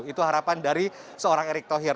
itu harapan dari seorang erick thohir